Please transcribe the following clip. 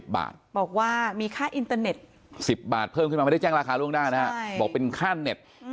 บอกว่ามีค่าอินเตอร์เน็ต๑๐บาทเพิ่มขึ้นมาไม่ได้แจ้งราคาล่วงหน้านะฮะบอกเป็นค่าเน็ต